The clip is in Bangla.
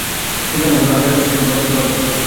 যেটার মাধ্যমে আসলেই পরিস্থিতি বদলাতে পারবো।